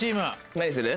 何にする？